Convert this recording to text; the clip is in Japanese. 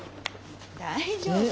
大丈夫？